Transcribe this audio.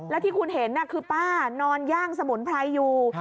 แล้วที่คุณเห็นคือป้านอนย่างสมุนไพรอยู่